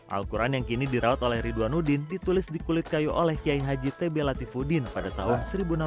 al quran yang kini dirawat oleh ridwanudin ditulis di kulit kayu oleh kiai haji tebe latifuddin pada tahun seribu enam ratus enam puluh